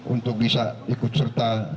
untuk bisa ikut serta